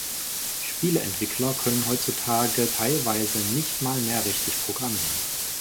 Spieleentwickler können heutzutage teilweise nicht mal mehr richtig programmieren.